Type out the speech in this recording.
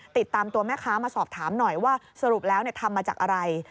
ติดตามตัวแม่ค้ามาสอบถามหน่อยว่าสรุปแล้วทำมาจากอะไร